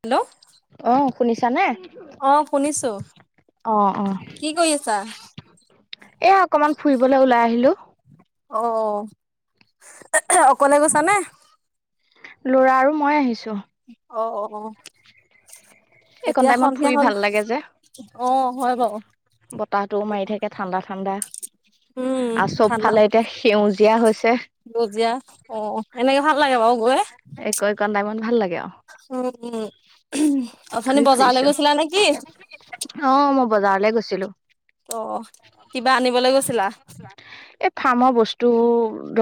Hello অ শুনিছানে অ শুনিছো অ অ কি কৰি আছা এয়া অকনমান ফুৰিবলৈ ওলাই আহিলো অ অকলে গৈছা নে ল'ৰা আৰু মই আহিছো অ অ অ এইকণ এতিয়া টাইমত সন্ধিয়া ফুৰি হ'ল ভাল লাগে যে অ হয় বাৰু বতাহটোও মাৰি থাকে ঠাণ্ডা ঠাণ্ডা উম আৰু চবফালে এতিয়া সেউজীয়া হৈছে সেউজীয়া অ এনেকে ভাল লাগে বাৰু গৈ এক ক টাইমত ভাল লাগে আৰু উম উ অথনি ঘূৰি ফুৰিছো বজাৰলৈ গৈছিলা নেকি অ মই বজাৰলে গৈছিলো অ কিবা আনিবলৈ গৈছিলা এই ফাৰ্মৰ বস্তু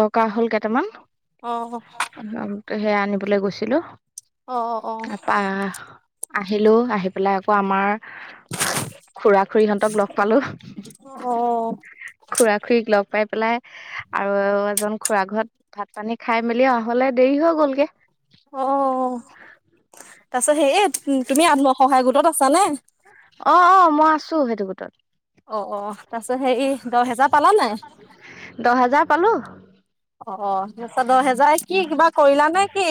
দৰকাৰ হ'ল কেইটামান অ হেয়া আনিবলৈ গৈছিলো অ অ তাপা আহিলো আহি পেলাই আকৌ আমাৰ খুৰা খুৰীহঁতক লগ পালো অ খুৰা খুৰীক লগ পাই পেলাই আৰু এজন খুৰা ঘৰত ভাত পানী খাই মেলি আও হলে দেৰি হৈ গ'লগে অ তাৰ পিছত হেৰি তুমি আত্মসহায় গোটত আছানে অ অ মই আছো সেইটো গোটত অ অ তছ সে দহেজাৰ পালানে নাই দহ হাজাৰ পালো অ তাৰ দহ হেজাই কি কিবা কৰিলা নে কি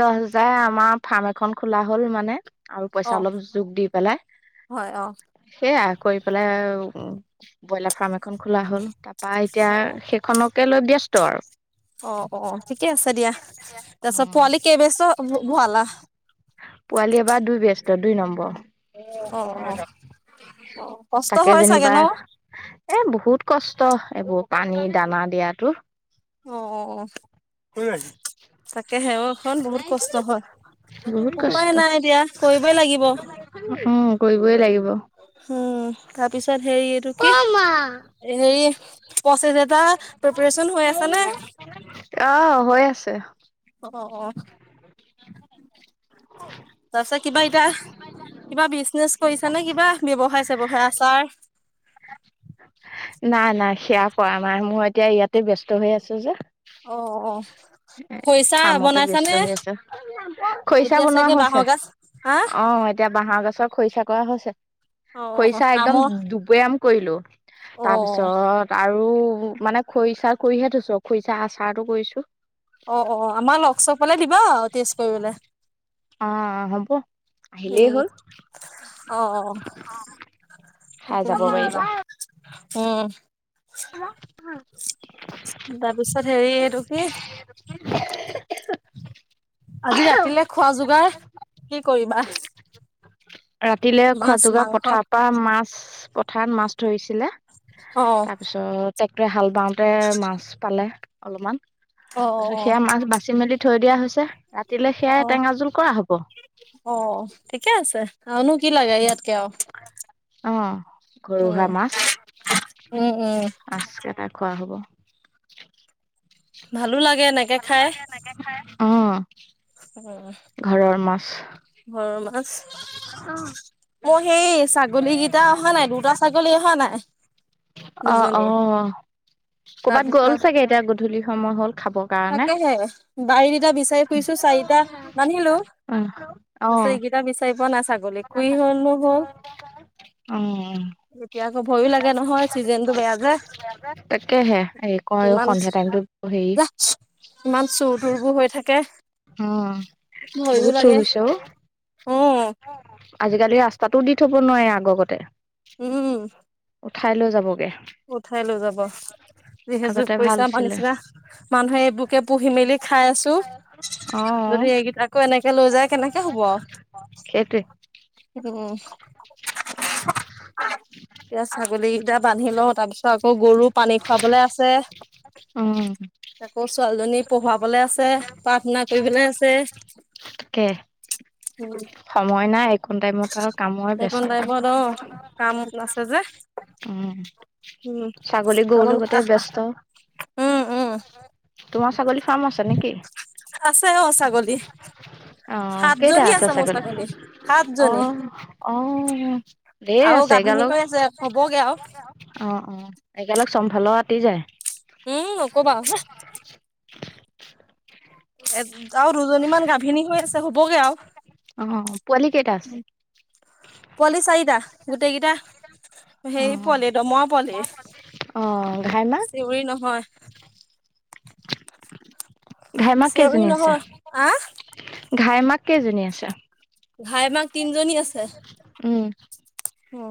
দহ হাজায় আমাৰ ফাৰ্ম এখন খোলা হ'ল মানে আৰু অ পইচা অলপ যোগ দি পেলাই হয় অ সেইয়া কৰি পেলাই ব্ৰইলাৰ ফাৰ্ম এখন খোলা হ'ল তাৰপা এতিয়া সেইখনকে লৈ ব্যস্ত আৰু অ অ ঠিকে আছে দিয়া তাৰপিছত পোৱালি কেব বেস্ট ভৰালা পোৱালি এবাৰ দুই ব্য্স্ত দুই নম্বৰ অ অ অ কষ্ট তাকে, হয় চাগে যেনিবা ন এ বহুত কষ্ট, এইবোৰ পানী দানা দিয়াতো [unintelligible] তাকেহে অ, ' হ বহুত কষ্ট হয়, বহুত উপায় কষ্ট নাই এতিয়া কৰিবই লাগিব উম, কৰিবই লাগিব উম, তাৰপিছত হেৰি এইটো কি হেৰি পঁচিছ এটা প্ৰিপৰেচন হৈ আছ নে অ', হৈ আছে অ', তাৰছত কিবা এটায়া কিবা বিজনেচ কৰিছা নে, কিবা ব্যৱসায় চ্ৱসায় আচাৰ নাই, নাই, সেয়া কৰা নাই, মই এতিয়া ইয়াতে ব্যস্ত হৈ আছো যে অ', খৰিচা ফ্ৰামতো বনাইছানে ব্যস্ত হৈ আছে খৰিচা এতিয়া বনোৱা চাগে বাঁহৰ হৈছে, গাজ হা আহ এতিয়া বাহৰ গছৰ খৰিচা কৰা হৈছে অ খৰিচা একদম আমৰ দুবৈয়াম কৰিলো অ তাৰপিছত আৰু মানে খৰিচা কৰিহে থৈছো, খৰিচা আচাৰটো কৰিছো অ', আমাৰ লগ চগ পালে দিবা, টেষ্ট কৰিবলৈ অ', হব আহিলেই উম, হ'ল অ', খাই যাব তাকাহে পাৰিবা উম, তাৰ পিছত হেৰিটো কি আজি ৰাতিলে খোৱা যোগাৰ কি কৰিবা ৰাতিলেলৈ খোৱা মাছ যোগাৰ, মাংস পথাৰৰ পৰা মাছ, পথাৰত মাছ ধৰিছিলে অ তাৰপিছত, ট্ৰেক্টৰে হাল বাওঁতে মাছ পালে অলপমান অ তাৰপিছত, সেয়া অ মাছ বাচি মেলি থৈ দিয়া হৈছে, ৰাতিলে অ সেয়াই টেঙা জোল কৰা হব অ', ঠিকে আছে, আনো কি লাগে ইয়াতকে আৰু অ, 'ঘৰুৱা উম মাছ, উম উম মাছ কেইটা খোৱা হব ভালো লাগে এনেকে ভাল খাই লাগে অ', অ', ঘৰৰ মাছ মই সেই ছাগলীকেইটা অহা নাই, দুটা ছাগলী অহা নাই অ', দুজনী অ', কৰ'বাত গ'ল তাৰপিছত চাগে, এতিয়া গধূলি সময় হল খাবৰ কাৰণে চাৰিতা বান্ধিলো অ অ তাৰপিছত, ইকেইটা বিচাৰি পোৱা নাই, ছাগলী কি হল - এতিয়া আকৌ ভয় লাগে নহয় চিজনেন টো বেয়া যে তাকেহে হেৰি কয় কিমান সন্ধিয়া টাইমতো হেৰি ইমান চুৰ তুৰবোৰ হৈ থাকে অ', ভয়ো বহুত লাগে চোৰ হৈছে উম আজিকালি ৰাস্তাতটো দি থব নোৱাৰে আগগতে উম উঠাই লৈ যাবগে উঠাই লৈ যাব, যিহেতু আগতে ভাল পইচা আছিলে [unintelligible] মানুহে এইবোৰকে পুহি মেলি খাই আছো, অ যদি এইকেইটাক আকৌ, এনেকে লৈ যায় কেনেকে হব সেইটোৱে উম এ ছাগলী কেইটা বান্ধি লওঁ তাৰ পিছত আকৌ, গৰু পানী খুৱাবলৈ আছে অ', আকৌ ছোৱালী জনী পঢ়াবলৈ আছে, প্ৰাৰ্থনা কৰিবলৈ আছে তাকে উম সময় নাই এইকন টাইমত আৰু কামই বেস্ত। ন, কামত আছে যে। উম, উম ছাগলী গৰু আমাৰ লগতে আহ ব্যস্ত। উম উম তোমাৰ ছাগলী ফাৰ্ম আছে নেকি। আছো অ, ছাগলী। সাতজনী আছে মোৰ ছাগলী অ সাতজনী। অ ধেৰ আৰু আছে গাভিনী এগালক হয় আছে হ'বগে আৰু। অ, অ, একগালগ চম্ভালৰও আতি যায়। উম, নক'বা হ এ আৰু দুজনীমান গাভিনী হৈ আছে হ'বগে আৰু। অ, পোৱালি কেইটা আছে। পোৱলি চাৰিটা গোটেইকেইটা। হে অ পোৱালি দমৰা পোৱালি, অ ঘাই মাক চিউৰি নহয়। ঘাই মাক চেউৰী কেইজনী আছে। নহয় আহ ঘাই মাক কেইজনী আছে? ঘাই মাক তিনজনী উম, অ,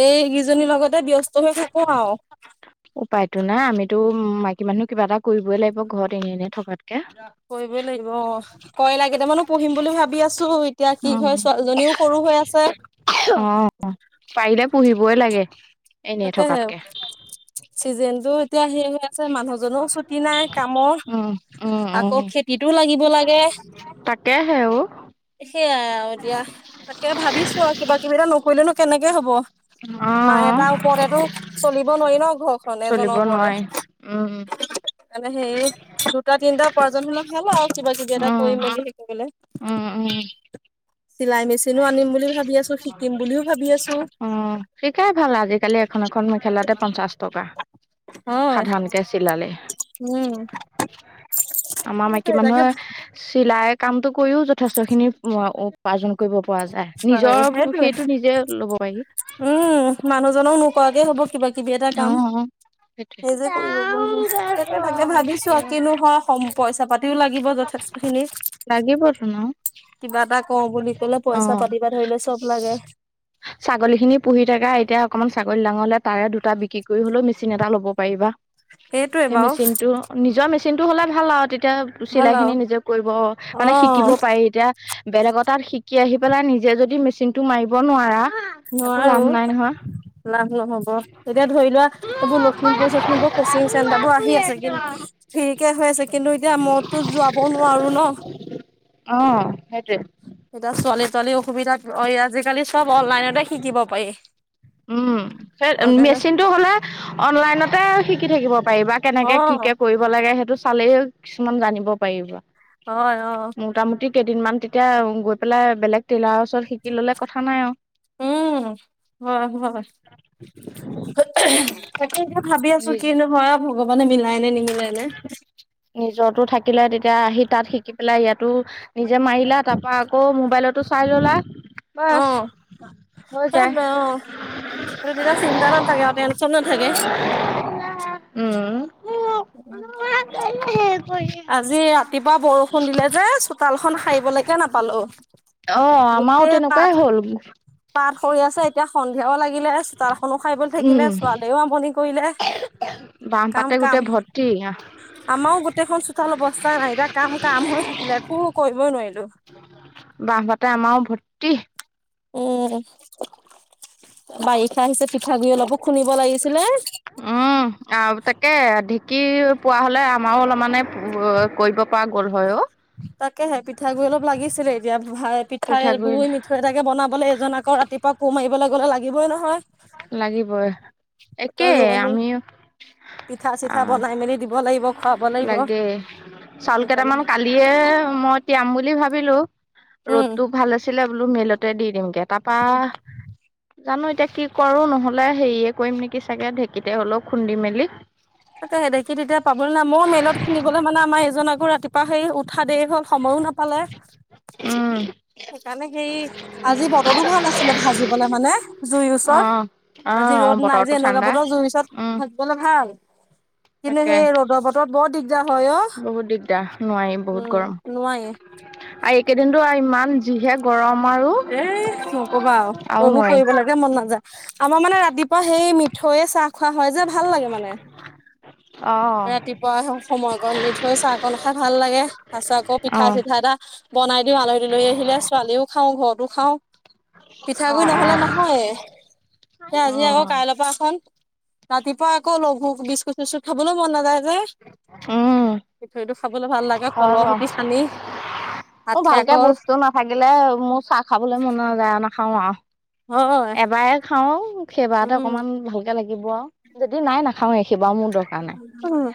এই সিজনীৰ লগতে ব্যস্ত হৈ থাকো আৰু। উপায়তো নাই আমিতো মাইকী মানুহ কিবা এটা কৰিবই লাগিব ঘৰত এনে এনে থকাতকে। কৰিবই লাগিব। অ, কয়লা কিতামানো পঢ়িম বুলি ভাবি আছো এতিয়া কি উম হয় ছোৱালীজনীও সৰু হৈ আছে। অ, পাৰিলে পুহিবই লাগে এনে থকাতকে। চিজন টো এতিয়া সে হৈ আছে, মানুহ জোও ছুটি নাই কামৰ। উম, উম, আকৌ খেতিতটোও লাগিব লাগে। তাকে আহে অ, সেইয়াই আৰু এ দিয়া তাকে ভাবিছো আৰু কিবা কিবি এটা নকৰিলেনো কেনেকে হ'ব। অ, তো চলিব নোৱাৰি ন ঘৰখনে। চলিব নোৱাৰি উম, উম, মানে সেই দুটা তিনিটা পাৰ্জন হ'ললে ভাল আৰু কিবা কিবি এটা উম কৰি মেলিবলে। উম উম চিলাই মেচিনো আনিম বুলি ভাবি আছো, শিকিম বুলিও ভাবি আছো। অ শিকাই ভাল আজিকালি এখন এখন মেখেলাতে পঞ্চাশ টকা। হয় সাধাৰণ কে চিলালে। উম আমাৰ মাইকী সেইটোৱে তাকে মানুহে চিলাই কামতটো কৰিও যথেষ্ট খিনি। উপাৰ্জন কৰিব পৰা যায় নিজৰ সেইটোৱে সেইটো নিজে লব পাৰি। উম, মানুহজনক নোকোৱাকে হ'ব কিবা কিবি এটা কাম। সেইটোয়ে। নিজে কৰিব পাৰব সেইটোয়ে তাকে ভাবিছো আৰু কিনো হয় পইচা পাতিও লাগিব যথেষ্ট। এনে। লাগিব ধ'নো। কিবা এটা কওঁ বুলি ক'লে পইচা পাতিবা ধৰিলেও চব লাগে। ছাগলী খিনি পুহি থাকা এতিয়া অকমান ছাগলী ডাঙৰ হ'লে তাৰে দুটা বিক্ৰী কৰি হলেও মেচিন এটা ল'ব পাৰিবা। সেইটোৱে সেই বাৰু মেচিন টো নিজৰ মেচিন টো হলে ভাল আৰু তেতিয়া। ভাল চিলাই আৰু খিনি নিজে কৰিব অ মানে শিকিব পাৰি এতিয়া বেলেগত। তাত শিকি আহি পেলাই নিজে যদি মেচিনটো মাৰিব নোৱাৰা একো নোৱাৰো লাভ নাই নহয়। লাভ নহ'ব এতিয়া ধৰি লোৱা এইবোৰ লখিমপুৰ-চখিমপুৰ কচিং চেণ্টাৰ বোৰ আহি আছে কিন্ত ফিৰিকে হৈ আছে কিন্তু এতিয়া মইতো যোৱাব নোৱাৰো ন, অ, সেইটোৱে। এতিয়া ছোৱালী ছোৱালী অসুবিধাত আজিকালি চ'ব অনলাইনতে শিকিব পাৰি। উম, সেই অনলাইনত মেচিন টো হলে অনলাইনতে শিকি থাকিব পাৰিবা। অ কেনেকে কি কে কৰিব লাগে সেইটো চালেই কিছুমান জানিব পাৰিবা। হয় অ'। মোটামুটি কেইদিনমান তেতিয়া গৈ পেলাই বেলেগ টেইলাৰৰ ওচৰত শিকি ল'লে কথা নাই আৰু। উম। হয় হয়। তাকেতো ভাবি আছোঁ নিজ কিনো হয়। ভগৱানে মিলাই নে নিমিলাই নে। নিজটো থাকিলে তেতিয়া আহি তাত শিকি পেলাই ইয়াতো নিজে মাৰিলা তাৰপা আকৌ মোবাইলতো চাই ল'লা বাচ। সেইটোৱে অ'। তেতিয়া চিন্তা নাথাকে আৰু টেনচন নাথাকে। উম। আজি ৰাতিপুৱা বৰষুণ দিলে যে চোতালখন সাৰিবলৈকে নাপালোঁ। অ' আমাৰো তেনেকুৱাই হ'ল। পাত সৰি আছে এতিয়া সন্ধিয়াও লাগিলে, চোতালখনো সাৰিবলৈ থাকিলে, ছোৱালীয়েও আমনি কৰিলে বাম কাম পাতে কাম গোটেই ভৰ্তি আহ আমাৰো গোটেইখন চোতাল অৱস্থাই নাই, এতিয়া কাম কাম হৈ থাকিলে একো কৰিবই নোৱাৰিলোঁ। বাঁহ পাতে আমাৰো ভৰ্তি। উম, বাৰিষা আহিছে পিঠাগুৰি অলপো খুন্দিব লাগিছিলে। উ [inaudible] উ, আৰু তাকে ঢেঁকী পোৱা হ'লে আমাৰো অলপমানানে কৰিব পৰা গ'ল হয় অ'। তাকেহে পিঠাগ গুৰি অলপ লাগিছিলে এতিয়া বাই পিঠাই পিঠাগুৰি বোই মিঠ চ' তাকে বনাবলৈ এজন আকৌ ৰাতিপুৱা কৌ মাৰিবলৈ গ'লে লাগিবই নহয়। লাগিবই। আকৌ একে ৰোৱনী আমিও পিঠা আ, চিঠা বনাই মেলি দিব লাগিব খুৱাব লাগিব লাগে। চাউল সেইকাৰণে কেইটামান কালি দিয়ে মই তিয়াম বুলি ভাবিলোঁ, উম ৰ'দটো ভাল আছিলে বোলো মেলইতে দি দিমগে। তাৰাপা জানো এতিয়া কি কৰো নহ'লে হেৰিয়ে কৰিম নেকি চাগে ঢেঁকীতে অলপ খুন্দি মেলি। তাকে সে ঢেঁকীত এতিয়া পাবলে নাই। মই মেইলত খুনিবলে মানে আমাৰ এইজন আকৌ ৰাতিপুৱা সেই উঠা দেৰি হ'ল সময়ো না নাপালে। উম। সেইকাৰণে হেৰি আজি বতৰো ভাল আছিলে ভাজিবলে মানে জুইৰ অ ওচৰত। অ আজি অ ৰ'দ নাই যে বতৰটো এনেকুৱা ঠাণ্ডা বতৰত জই পিছত উম থাকিবলৈ ভাল। কিন্তু তাকে সেই ৰ'দৰ বতৰত বৰ দিগদাৰ হয় বহুত দিগদাৰ নোৱাৰি অ'। বহুত উম, গৰম নোৱাৰি। আৰু এইকেইদিনতো ইমান যিহে গৰম আৰু। এ আৰু নোৱাৰি। কে মন নাযায়। আমাৰ মানে ৰাতিপুৱা সেই মিঠায়ে চাহ খোৱা হয় যে ভাল লাগে মানে। অ'। ৰাতিপুৱা সময়কণ মিঠৈ চাহকণ খাই ভাল লাগে। তাৰপিছত আকৌ অ পিঠা চিঠা এটা বনাই দিওঁ আলহী তালহী আহিলে। ছোৱালীও খাওঁ ঘৰতো খাওঁ। পিঠাগুৰি অ নহ'লে নহয়ে। আজি আকৌ উম কাইলৈপা এখন ৰাতিপুৱা আকৌ লঘু বিস্কুট চিস্কুট খাবলৈ মন নাযায় উম যে। খাবলৈ ভাল লাগে, হয় বাৰু কলহ সুতে খানি আঠিয়া কল থাকিলে মোৰ চাহ খাবলৈ মন নাযায় আৰু নাখাওঁ আৰু। হয় এবাৰে খাওঁ সেইবাৰতে উম অকমান ভালকে লাগিব আৰু। যদি নাই নাখাৱে, এইখেইবাৰ মোৰ দৰকাৰ নাই হয়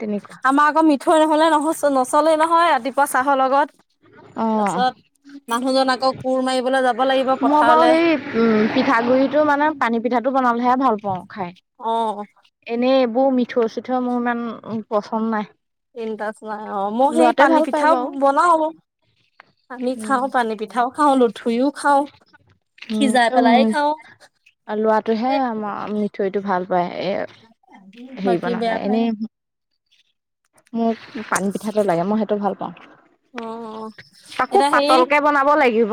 তেনেকুৱা। আমাৰ আকৌ মিঠৈ নহ'লে নহ-নচলেই নহয় ৰাতিপুৱা চাহৰ লগত। অ তাৰপাছত মানুহজন আকৌ কোৰ মাৰিবলৈ যাব লাগিব মই বাৰু পথাৰলে। সেই উম, পিঠাগুৰিটো মানে পানী পিঠাটো বনালহে ভাল পাওঁ খাই। অ'। এনেই এইবোৰ মিঠৈ চিঠৈ মোৰ ইমান পচন্দ নাই। তিনিটা চোৱা অ' মই সেই লৰাটোৱে পানী ভাল পায় পিঠাওঁ বাৰু বনাওঁ। আমি উম খাওঁ, পানী পিঠাও খাওঁ, লুথুৰিওঁ খাওঁ। সিজায় পেলাই খাওঁ। লোৱাটোহে আমাৰ মিঠৈটো ভাল পায় এ হেৰি বাকী বেয়া বনালে পায় এনে মোক পানী পিঠাটো লাগে মই সেইটো ভাল পাওঁ। অ', অ'। তাকো পাতলকে বনাব লাগিব।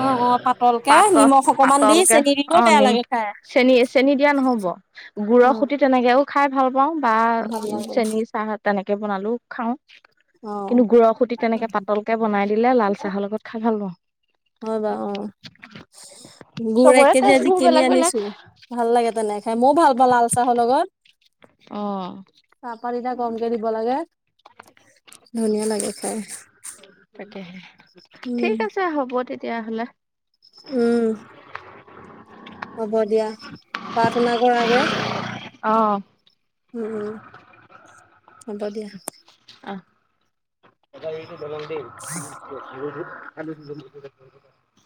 অ অ পাতলকে নিমখ অকমান দি পাতল-পাতলকে চেনি দিলেও অ বেয়া নিম লাগে খাই চেনী চেনী দিয়া নহ'ব। গুড়ৰৰ উম খুতি তেনেকেও খাই ভাল পাও বা ভাল লাগে চেন চাহ তেনেকে বনালেও খাওঁ। অ কিন্তু গুড়ৰ খুতি তেনেকে পাতলকে বনাই দিলে, লাল চাহৰ লগত খাই ভাল পাওঁ। হয় বাৰু অ' গুৰ এক চবৰে কেজি আজি টেষ্টবোৰ কিনি বেলেগ বেলেগ আনিছো। ভাল লাগে তেনে খাই মই ভাল পাওঁ লাল চাহৰ লগত। অ চাপাটা এতিয়া কমকে দিব লাগে। ধুনীয়া লাগে খাই। তাকেহে। উম। এই হ'ব তেতিয়াহ'লে। উম। হ'ব দিয়া পাৰ তনা ঘৰ আগে। অ'। উম, হ'ব দিয়া। আহ। [inaudible]